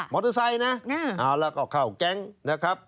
มอเตอร์ไซนะแล้วก็เข้าแก๊งนะครับ